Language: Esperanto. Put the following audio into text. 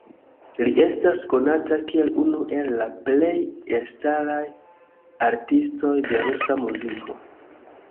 Li estas konata kiel unu el la plej elstaraj artistoj de rusa muziko.